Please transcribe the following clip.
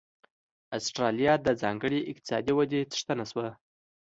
اسټرالیا د ځانګړې اقتصادي ودې څښتنه شوه.